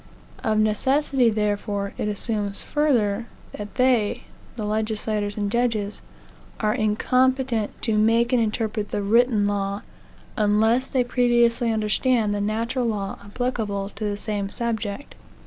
Of necessity, therefore, it assumes further, that they (the legislators and judges) are incompetent to make and interpret the written law, unless they previously understand the natural law applicable to the same subject.